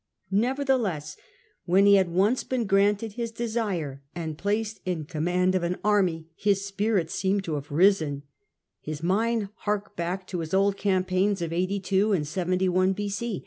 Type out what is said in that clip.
Nevertheless, when he had once been granted his desire and placed in command of an army, his spirits seem to have risen ; his mind harked back to his old campaigns of 82 and 71 b.c.